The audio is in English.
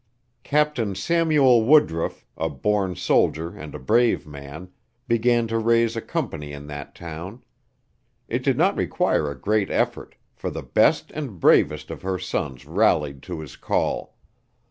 Captain Samuel Woodruff, a born soldier and a brave man, began to raise a company in that town. It did not require a great effort, for the best and bravest of her sons rallied to his call.